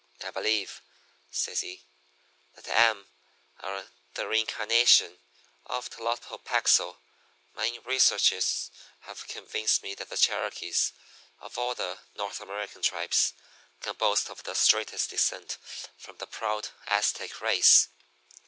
"'I believe,' says he, 'that I am the reincarnation of Tlotopaxl. My researches have convinced me that the Cherokees, of all the North American tribes, can boast of the straightest descent from the proud Aztec race.